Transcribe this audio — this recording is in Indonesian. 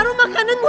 lo kan telakunya